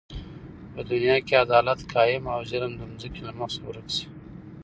په دنیا کی عدالت قایم او ظلم د ځمکی له مخ څخه ورک سی